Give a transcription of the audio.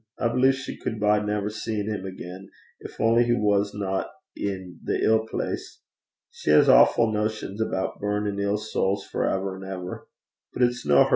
I believe she cud bide never seein' 'im again, gin only he wasna i' the ill place. She has awfu' notions aboot burnin' ill sowls for ever an' ever. But it's no hersel'.